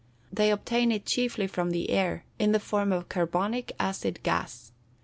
_ They obtain it chiefly from the air, in the form of carbonic acid gas.